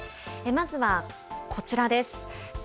まずは、こちらです。